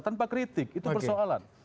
tanpa kritik itu persoalan